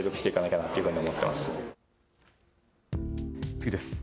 次です。